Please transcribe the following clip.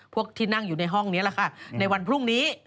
พวกที่นั่งอยู่ในห้องนี้แหละค่ะในวันพรุ่งนี้